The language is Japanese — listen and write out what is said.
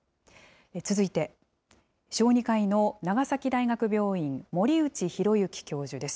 続いて、小児科医の長崎大学病院、森内浩幸教授です。